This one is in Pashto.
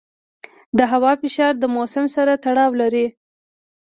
د هوا فشار د موسم سره تړاو لري.